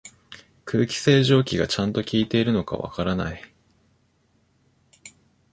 空気清浄機がちゃんと効いてるのかわからない